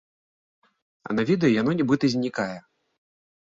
А на відэа яно нібыта знікае!